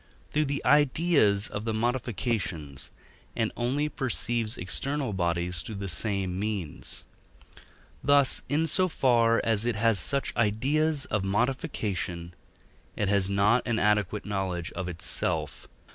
through the ideas of the modifications, and only perceives external bodies through the same means; thus, in so far as it has such ideas of modification, it has not an adequate knowledge of itself (II.